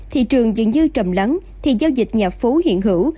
thị trường dựng dư trầm lắng thì giao dịch nhà phố hiện hữu